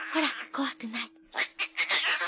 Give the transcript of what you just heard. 怖くない。